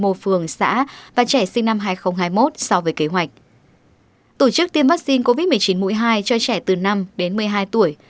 tổ chức tiêm vaccine covid một mươi chín mũi hai cho trẻ từ năm đến một mươi hai tuổi